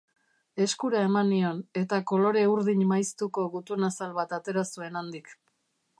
Eskura eman nion, eta kolore urdin maiztuko gutunazal bat atera zuen handik.